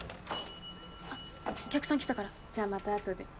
・あっお客さん来たからじゃあまた後で。